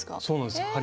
そうなんです。